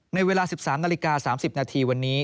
ในเวลา๑๓นาฬิกา๓๐นาทีวันนี้